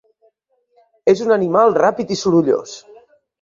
És un animal ràpid i sorollós.